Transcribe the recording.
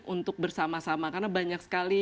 untuk bersama sama karena banyak sekali